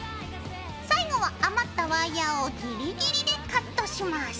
最後は余ったワイヤーをギリギリでカットします。